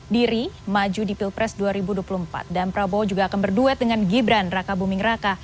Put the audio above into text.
diri maju di pilpres dua ribu dua puluh empat dan prabowo juga akan berduet dengan gibran raka buming raka